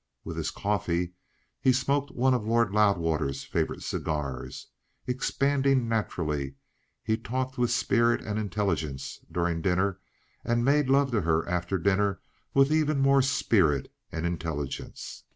With his coffee he smoked one of Lord Loudwater's favourite cigars. Expanding naturally, he talked with spirit and intelligence during dinner, and made love to her after dinner with even more spirit and intelligence.